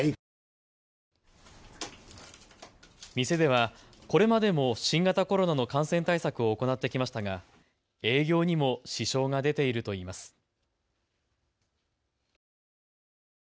店では、これまでも新型コロナの感染対策を行ってきましたが営業にも支障が出ているといいます。